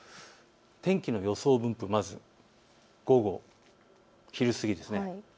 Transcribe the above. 天気の予想分布、午後、昼過ぎです。